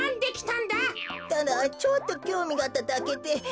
ただちょっときょうみがあっただけで。